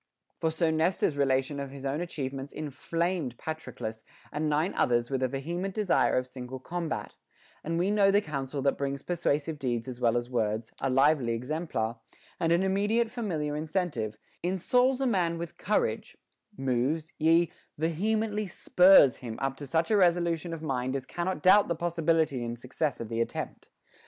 For so Nestor's relation of his own achievements inflamed Patroclus and nine others with a vehement desire of single combat ; and we know the counsel that brings persuasive deeds as well as words, a lively exemplar, and an imme diate familiar incentive, insouls a man with courage, moves, yea, vehemently spurs him up to such a resolution of mind as cannot doubt the possibility and success of the attempt.